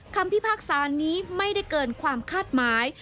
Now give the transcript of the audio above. พิพากษานี้ไม่ได้เกินความคาดหมาย